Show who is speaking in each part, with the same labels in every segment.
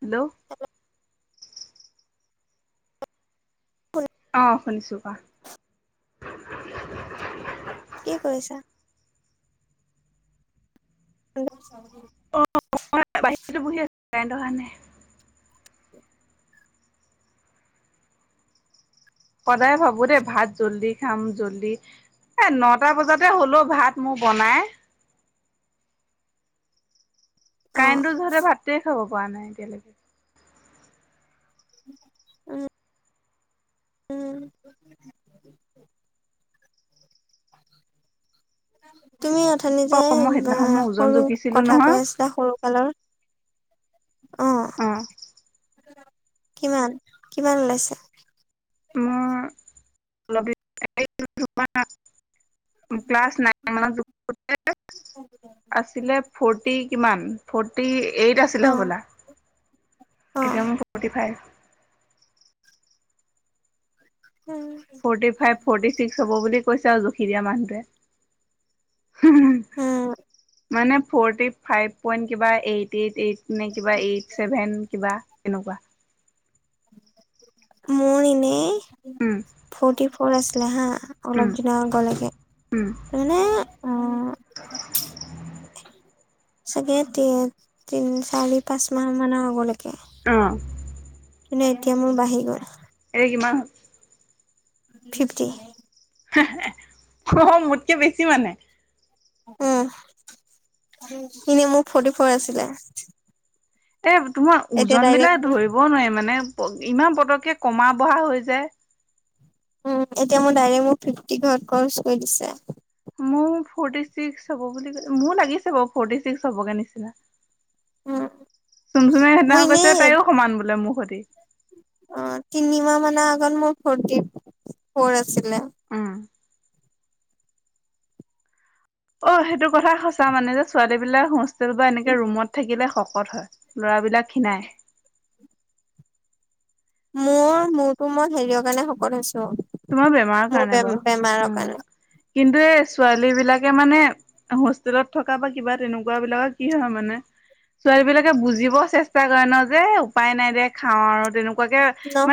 Speaker 1: Hello
Speaker 2: অ
Speaker 1: অ শুনিছো কোৱা।
Speaker 2: কি কৰিছা? [unintelligible]
Speaker 1: মই বাহিৰতে বহি আছো কাৰেণ্ট অহা নাই। সদায় ভাবো দেই ভাত জলদি খাম জলদি- এ নটা বজাতে হলো ভাত মোৰ বনাই।
Speaker 2: অ',
Speaker 1: কাৰেণ্টো যিহেতু ভাতে খাব পৰা নাই এতিয়ালৈকে-
Speaker 2: উম উম তুমি অথনি
Speaker 1: অ
Speaker 2: যে
Speaker 1: মই সেইদিনাখন মোৰ ওজন
Speaker 2: সৰু
Speaker 1: জুখিছিলো
Speaker 2: কথা
Speaker 1: নহয়
Speaker 2: কৈ আছে। সৰুকালৰ
Speaker 1: অ
Speaker 2: আহ কিমান কিমান ওলাইছে?
Speaker 1: মোৰ [unintelligible] ক্লছ নাইন মান আছিলে ফৰ্টি কিমান? ফৰ্টি এইট আছিলে
Speaker 2: অ',
Speaker 1: হ'বলা
Speaker 2: অ',
Speaker 1: এতিয়া মোৰ ফৰ্টি ফাইভ।
Speaker 2: উম
Speaker 1: ফৰ্টি ফাইভ ফৰ্টি ছিক্স হ'ব বুলি পইচাও জুখি দিয়া মানুটোৱে
Speaker 2: উম,
Speaker 1: মানে ফৰটি ফাইভ পইন্ট কিবা এইট এইট এই নে কিবা এইট ছেভেন কিবা তেনেকুৱা।
Speaker 2: মই এনেই।
Speaker 1: উম
Speaker 2: ফৰ্টি ফৰ আছিলে হা
Speaker 1: উম
Speaker 2: অলপ দিনৰ আগলৈকে
Speaker 1: উম
Speaker 2: মানে চাগে তি তিন চাৰি পাঁচ মাহ মানৰ আগলৈকে
Speaker 1: অঁ।
Speaker 2: কিনে এতিয়া মোৰ বাঢ়ি গ'ল।
Speaker 1: এ কিমান?
Speaker 2: ফিফটি।
Speaker 1: অ মোতকে বেছি মানে।
Speaker 2: উম এনে মোৰ ফৰ্টি ফৰ আছিলে।
Speaker 1: এ তোমাৰ
Speaker 2: এতিয়া
Speaker 1: ওজন
Speaker 2: ডাইৰেক্ট
Speaker 1: বিলাক
Speaker 2: মোৰ
Speaker 1: ধৰিব নোৱাৰি মানে ইমান পতককে কমা বঢ়া হয় যে।
Speaker 2: উম এতিয়া মোৰ ডাইৰেক্ট মোৰ ফিফটি ঘৰত খৰচ কৰি দিছে।
Speaker 1: মোৰ ফটি ছিক্স হ'ব বুলি ক মোৰ লাগিছে বাৰু ফটি ছিক্স হ'বগে নিচিনা।
Speaker 2: উম,
Speaker 1: চুম চুমে সেইদিনা
Speaker 2: মই
Speaker 1: কৈছে
Speaker 2: এনেই
Speaker 1: তাইও সমান বোলে মোহ সতি।
Speaker 2: অ তিনিমাহ মানৰ আগত মোৰ ফৰটি ফৰ আছিলে।
Speaker 1: উম। অ সেইটো কথা সঁচা মানে যে ছোৱালী বিলাক হোষ্টেল বা এনেকে ৰুমত থাকিলে শকত হয়। ল'ৰাবিলাক খিনাই।
Speaker 2: মোৰ মূৰটো মই হেৰিয় কাৰণে শকত হৈছো।
Speaker 1: তোমাৰ বেমাৰৰ
Speaker 2: মোৰ
Speaker 1: কাৰণে
Speaker 2: বে বেমাৰৰ
Speaker 1: বাৰু উম
Speaker 2: কাৰণে।
Speaker 1: কিন্তু এই ছোৱালী বিলাকে মানে হোষ্টেলত থকা বা কিবা তেনেকুৱা বিলাকৰ কি হয় মানে ছোৱালী বিলাকে বুজিব চেষ্টা কৰে ন যে উপায় নাই দে খাও আৰু তেনো কোৱাকে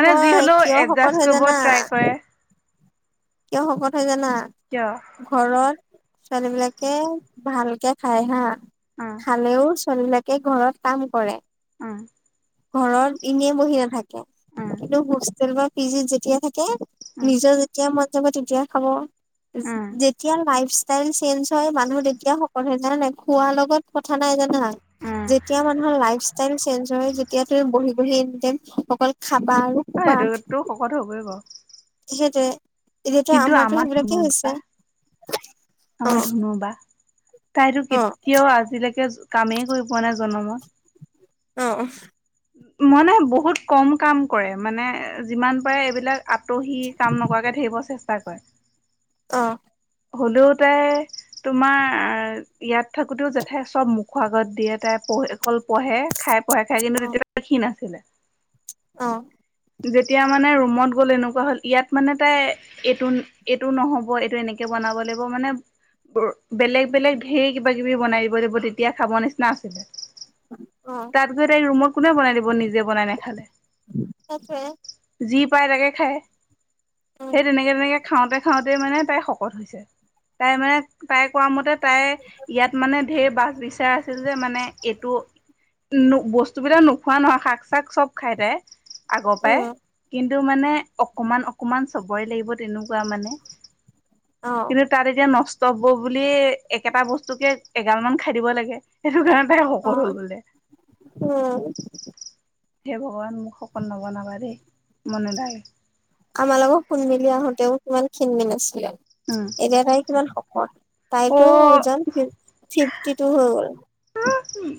Speaker 1: মানে যি হ'লেও
Speaker 2: কিয় শকত
Speaker 1: এডজাষ্ট
Speaker 2: হৈ
Speaker 1: কৰিব
Speaker 2: জানা
Speaker 1: ট্ৰাই কৰে।
Speaker 2: কিয় শকত হৈ জানা?
Speaker 1: কিয়?
Speaker 2: ঘৰত ছোৱালী বিলাকে ভালকে খাই হা
Speaker 1: অ
Speaker 2: খালেও ছোৱালী বিলাকে ঘৰত কাম কৰে।
Speaker 1: উম
Speaker 2: ঘৰত এনেই বহি নাথাকে।
Speaker 1: অ
Speaker 2: কিন্তু হোষ্টেল বা পিজিত যেতিয়া থাকে নিজৰ যেতিয়াই মন যাব তেতিয়াই খাব
Speaker 1: অ
Speaker 2: যেতিয়া লাইফ ষ্টাইল চেঞ্জ হয় মানুহ তেতিয়া শকত হয় জান নাই খোৱাৰ লগত কথা নাই জানা
Speaker 1: অ অ
Speaker 2: যেতিয়া মানুহৰ লাইফ ষ্টাইল চেঞ্জ হয় যে বহি বহি এনিটাইম অকল খাবা আৰু
Speaker 1: অহ
Speaker 2: শুবা
Speaker 1: সেইটো শকত হ'বই বাৰু
Speaker 2: সেইটোৱে এতিয়াতো
Speaker 1: কিন্তু
Speaker 2: আমাৰতো
Speaker 1: আমাৰ ধুনু
Speaker 2: সেইবিলাকেই হৈছে। অ
Speaker 1: আমাৰ ধনু বা তাইতো
Speaker 2: অ
Speaker 1: কেতিয়াও আজিলৈকে কামেই কৰি পোৱা নাই জনমত।
Speaker 2: অহ অহ
Speaker 1: মানে বহুত কম কাম কৰে মানে যিমান পাৰে এইবিলাক আঁতহি কাম নকৰাকে থাকিব চেষ্টা কৰে
Speaker 2: অ
Speaker 1: হ'লেওত তে তোমাৰ ইয়াত থাকোঁতেও জেঠাই চব মুখুৰ আগত দিয়ে তাই পঢ়ি অকল পঢ়ে খাই পঢ়ে খাই কিন্তু তেতিয়া অলপ খীণ আছিল
Speaker 2: অহ
Speaker 1: যেতিয়া মানে ৰুমত গ'ল এনেকুৱা হ'ল ইয়াত মানে তাই এইটো এইটো নহ'ব এইটো এনেকে বনাব লাগিব মানে বোৰ বেলেগ বেলেগ ধেৰ কিবা কিবি বনাই দিব দিব তেতিয়া খাব নিচিনা আছিলে
Speaker 2: অ
Speaker 1: তাত গৈ তাই ৰুমত কোনে বনাই দিব নিজে বনাই নাখালে
Speaker 2: সেইটোৱে
Speaker 1: যি পায় তাকে খায়
Speaker 2: উম
Speaker 1: সেই তেনেকে তেনেকে খাওঁতে খাওঁতে মানে তাই শকত হৈছে তাই মানে তাই কোৱা মতে তাই ইয়াত মানে ধেৰ বাছ বিচাৰ আছিল যে মানে এইটো নো বস্তুবিলাক নোখোৱা নহয় শাক চাক চব খাই তাই আগৰ পাই
Speaker 2: উম
Speaker 1: কিন্তু মানে অকমান অকমান চবৰে লাগিব তেনেকুৱা মানে
Speaker 2: অহ
Speaker 1: কিন্তু তাত এতিয়া নষ্ট হব বুলিয়ে একেটা বস্তুকে এগাল মান খাই দিব লাগে সেইটো কাৰণতে শকত
Speaker 2: অ
Speaker 1: হ'ল বোলে।
Speaker 2: উম
Speaker 1: চিৰি চিৰি সেই ভগৱান মোক শকত নবনাবা দেই মন নেযায়।
Speaker 2: আমাৰ লগত শুন মেলি আহোঁতেও কিমান খীন মিন আছিলে।
Speaker 1: উম
Speaker 2: চিক এতিয়া তাই কিমান শকত তাইতটো
Speaker 1: অ
Speaker 2: ওজন ফি ফিফটি টু হৈ গ'ল।
Speaker 1: আ আ উম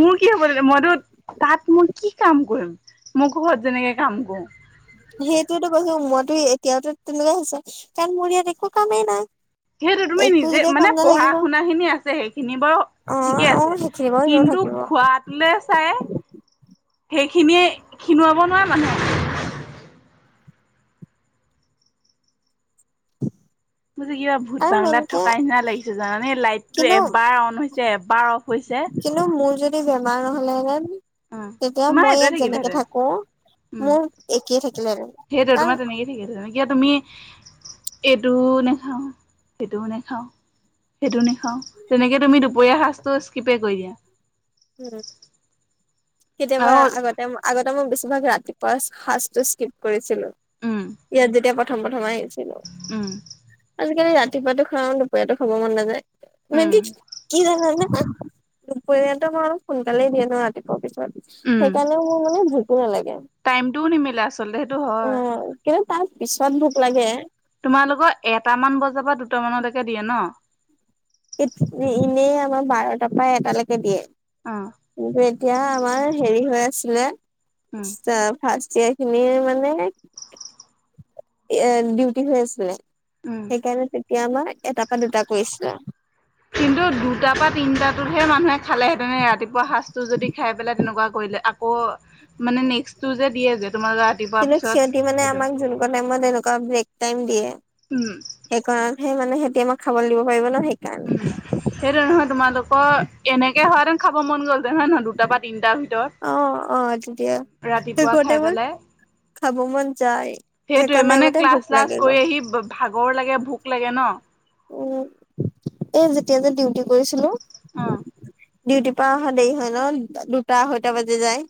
Speaker 1: মোৰ কি হবলে মইতো তাত মই কি কাম কৰিম? মোৰ ঘৰত যেনেকে কাম কৰোঁ।
Speaker 2: সেইটোৱেতো কৈছো মইতো এতিয়াতো তেনেকুৱা হৈছে ইস্ কাৰণ মোৰ ইয়াত একো কামেই নাই।
Speaker 1: সেইটো তুমি
Speaker 2: একো
Speaker 1: নিজে
Speaker 2: যেতিয়া
Speaker 1: মানে
Speaker 2: কাম নাথাকিব
Speaker 1: পঢ়া-শুনা খিনি আছে সেইখিনি বাৰু
Speaker 2: অ
Speaker 1: ঠিকেই
Speaker 2: অ
Speaker 1: আছে
Speaker 2: সেইখিনি বাৰু এনেও
Speaker 1: কিন্তু
Speaker 2: থাকিব
Speaker 1: খোৱাত লে চাই সেইখিনিয়ে খীনোৱাব নোৱাৰে মানুহে। মোৰ যে কিবা ভূত
Speaker 2: আৰু
Speaker 1: বাংলাত
Speaker 2: মেইনকে
Speaker 1: থকা নিচিনা লাগিছে জানানে লাইটটো
Speaker 2: কিন্তু
Speaker 1: এবাৰ অন হৈছে এবাৰ অফ হৈছে।
Speaker 2: কিন্তু মোৰ যদি বেমাৰ নহ'লেহেঁতেন।
Speaker 1: উম
Speaker 2: তেতিয়া
Speaker 1: তোমাৰ
Speaker 2: মই
Speaker 1: সেইটোৱে
Speaker 2: ইয়াত যেনেকে
Speaker 1: থাকিলেহেঁতেন
Speaker 2: থাকোঁ
Speaker 1: উম
Speaker 2: মোৰ একেই থাকিলেহেঁতেন আৰু
Speaker 1: ঠিকেই আছে যেনেকে তুমি এইটোও নেখাওঁ সেইটোও নেখাওঁ। সেইটো নেখাওঁ তেনেকে তুমি দুপৰীয়া সাজটো স্কিপে কৰি দিয়া।
Speaker 2: উম উ কেতিয়াবা
Speaker 1: আৰু
Speaker 2: আ আগত। তেওঁ মা আগতে মই বেছিভাগ ৰাতিপুৱা সাজটো স্কিপ কৰিছিলো।
Speaker 1: উম,
Speaker 2: ইয়াত যেতিয়া প্ৰথম প্ৰথম আহিছিলোঁ।
Speaker 1: উম।
Speaker 2: আজিকালি ৰাতিপুৱাতো খাওঁ দুপৰীয়াটো খাব মন নেযায়। তুমি
Speaker 1: উম,
Speaker 2: কি যে কি যে হয় জানানে দুপৰীয়া। ৰাতিপুৱা অ সোনকালে দিয়ে নো ৰাতিপুৱা পিছত। ইস্
Speaker 1: উম,
Speaker 2: সেইকাৰণে মোৰ মানে ভোকো নালাগে
Speaker 1: টাইমটোও নিমিলে আচলতে সেইটো
Speaker 2: আ
Speaker 1: হয়।
Speaker 2: আ আ। কিন্তু তাৰ পিছত ভোক লাগে।
Speaker 1: তোমালোকৰ এটামান বজাৰ পৰা দুটামানলৈকে দিয়ে ন।
Speaker 2: এই ঠিক নাই এনেই আমাৰ বাৰটাৰ পৰা এটালৈকে দিয়ে।
Speaker 1: আ অ অ।
Speaker 2: কিন্তু এতিয়া আমাৰ হেৰি হৈ আছিলে
Speaker 1: উম,
Speaker 2: ষ্টা ফাচ। চেয়াৰ খিনিয়ে মানে এ ডিউটি হৈ আছিলে।
Speaker 1: উম।
Speaker 2: সেইকাৰণে তেতিয়া আমাৰ এটাৰ পৰা দুটা কৰিছিলা।
Speaker 1: কিন্তু দুটাৰ পৰা তিনটাটোহে মানুহে খালেহেঁতেন এ ৰাতিপুৱা সাজটো যদি খায় পেলাই তেনেকুৱা কৰিলে আকৌ মানে নেক্সটো যে দিয়ে যে তোমাৰ গাত
Speaker 2: কিন্তু সিহঁতি মানে আমাক যেনেকুৱা টাইমত এনেকুৱা ব্ৰেক টাইম দিয়ে।
Speaker 1: উম উ উ।
Speaker 2: সেইকাৰণহে মানে সিহঁতি আমাক খাবলৈ দিব পাৰিব ন সে
Speaker 1: উম উ উ উ। সেইটো নহয় তোমালোকৰ এনেকে হোৱাহেঁতেন খাব মন গ'ল হেঁতেন হয় নহয় দুটা বা তিনটাৰ ভিতৰত।
Speaker 2: অ অ অ আ তেতিয়া
Speaker 1: ৰাতিপুৱা
Speaker 2: শেইষতে
Speaker 1: খাই
Speaker 2: মোৰ
Speaker 1: পেলাই
Speaker 2: খাব মন যায়।
Speaker 1: সেইটোৱে
Speaker 2: সেইকণ
Speaker 1: মানে
Speaker 2: টাইমতে ভোক
Speaker 1: ক্লাছ-চ্লাছ
Speaker 2: লাগে গৈ
Speaker 1: কৰি আহি ব ভাগৰ লাগে ভোক লাগে ন।
Speaker 2: উ এ যেতিয়া যে ডিউটি কৰিছিলো।
Speaker 1: চিৰিপ চিৰিপ অ অ।
Speaker 2: ডিউটিৰ পৰা অহা দেৰি হয় ন দুটা আঢ়ৈটা বাজি যায়।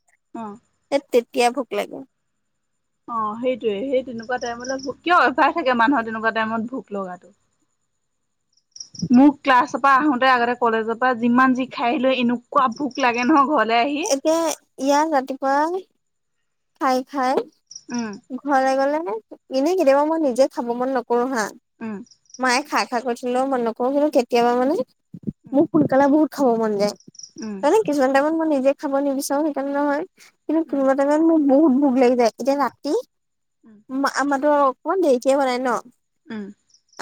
Speaker 1: অ অ।
Speaker 2: এ তেতিয়া ভোক লাগে।
Speaker 1: অ সেইটোৱে সেই তেনেকুৱা টাইমলৈ ভোক কিয় অভ্যাস থাকে মানুহৰ তেনেকুৱা টাইমত ভোক লগাটো। মোক ক্লাছৰ পৰা আহোতে আগতে কলেজৰ পৰা যিমান যি খাই আহিলো এনেকুৱা ভোক লাগে নহ ঘৰলৈ আহি।
Speaker 2: এ ইয়াৰ ৰাতিপুৱা খাই খায়।
Speaker 1: উম উ।
Speaker 2: ঘৰলৈ গ'লেনে এনেই কেতিয়াবা মই নিজে খাব মন নক কৰো হা
Speaker 1: উম
Speaker 2: মায়ে খাই- খাই কৈথাকিলেও মই নকৰো [unintelligible] কেতিয়াবা মানে
Speaker 1: উম
Speaker 2: মোক সোনকালে বহুত খাব মন যায়।
Speaker 1: উম,
Speaker 2: তাৰমানে কিছুমান টাইমত মই নিজে খাব নিবিচাৰো সেইকাৰণ নহয় কিন্তু
Speaker 1: উম
Speaker 2: কোনোবা টাইমত মোৰ বহুত ভোক লাগি যায়। এতিয়া ৰাতি
Speaker 1: উম,
Speaker 2: মা আমাৰতো অকমান দেৰিকে বনাই ন'।
Speaker 1: উম,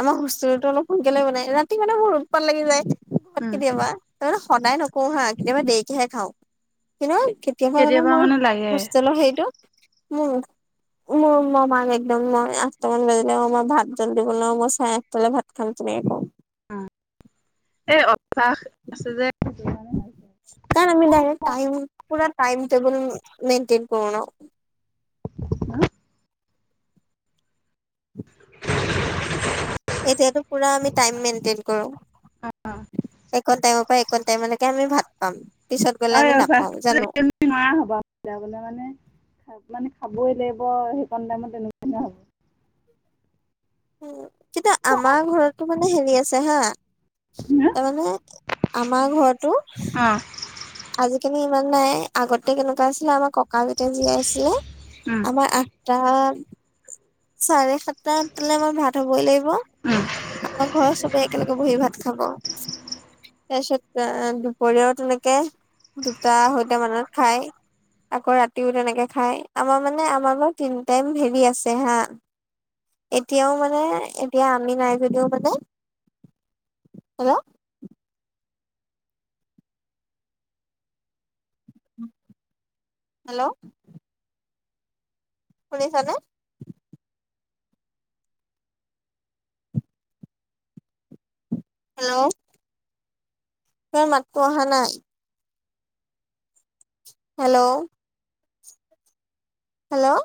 Speaker 2: আমাৰ হোষ্টেলটো অলপ সোনকালে বনাই ৰাতি মানে মোৰ উতপাত লাগি জাই [unintelligible]
Speaker 1: উম
Speaker 2: কেতিয়াবা। তাৰ মানে সদায় নকওঁ হা কেতিয়াবা দেৰিকেহে খাও কিন্তু কেতিয়াবা মানে মোৰ হোষ্টেলৰ হেইটো মোৰ -মোৰ [unintelligible] একদম মই আঠটামান বাজিলে অ, মই ভাত জল্দি [unintelligible] বনাও মই চায়ে আঠতালৈ ভাত খাম তুমি আকৌ
Speaker 1: অ, এই অভ্যাস আছে যে সেইটো কাৰনে হয়।
Speaker 2: কাৰণ আমি ডাইৰেক টাইম পোৰা টাইম টেবুল মেইনটেইন কৰো ন'।
Speaker 1: [unintelligible] [unintelligible]
Speaker 2: এতিয়াইতো পুৰা আমি টাইম মেইনটেইন কৰো।
Speaker 1: অ
Speaker 2: একণ টাইমৰ পৰা একণ টাইমলৈকে আমি ভাত পাম। পিছত গ'লে আমি নাপাওঁ জানো।
Speaker 1: এ নোৱাৰা হ'বা জাবলে মানে [unintelligible] খাবই লাগিব সেইকন টাইমত তেনেকুৱা হ'ব।
Speaker 2: উম, কিবা
Speaker 1: অ
Speaker 2: আমাৰ ঘৰতো মানে হেৰি আছে হা তাৰমানে আমাৰ ঘৰতো
Speaker 1: অ',
Speaker 2: আজিকালি ইমান নাই আগতে কেনেকুৱা আছিলে আমাৰ ককা যেতিয়া জীয়াই আছিলে
Speaker 1: উম
Speaker 2: আমাৰ আহ টান চাৰে সাততা, আঠটালে আমাৰ ভাত হ'বই লাগিব
Speaker 1: উম
Speaker 2: আমাৰ ঘৰৰ চবে একেলগে বহি ভাত খাব। তাৰছত দুপৰীয়াও তেনেকে দুটা আঢ়ৈতা মানত খায়। আকৌ ৰাতিও তেনেকে খাই আমাৰ মানে আমাৰ বাৰু তিন টাইম ভেবি আছে হা। এতিয়াও মানে এতিয়া আমি নাই যদিও মানে হেল', হেল্ল', শুনিছাঁ নে? হেল্ল', তোমাৰ মাততো অহা নাই। Hello, hello,